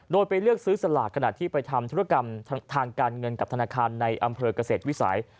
โดยไปเลือกซื้อสลากขณะที่ไปทำธุรกรรมทางการเงินกับธนาคารในอำเภอกเกษตรวิสัย